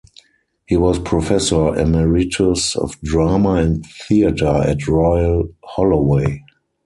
He was Professor Emeritus of Drama and Theatre at Royal Holloway.